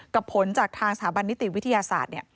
ผลจากทางสถาบันนิติวิทยาศาสตร์